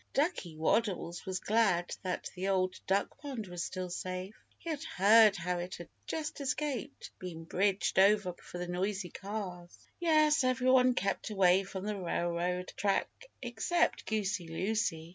Ducky Waddles was glad that the Old Duck Pond was still safe. He had heard how it had just escaped being bridged over for the noisy cars. Yes, everyone kept away from the railroad track except Goosey Lucy.